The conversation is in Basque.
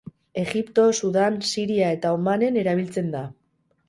Egipto, Sudan, Siria eta Omanen erabiltzen da.